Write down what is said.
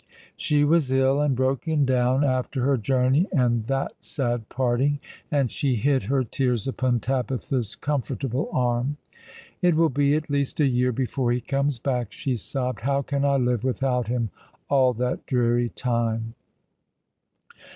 She was ill and broken down after her journey, and that sad parting, and she hid her tears upon Tabitha's comfort able arm. "It will be at least a year before he comes back," she sobbed. "How can I live without him all that dreary tune?"